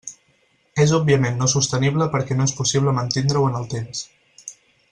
És òbviament no sostenible perquè no és possible mantindre-ho en el temps.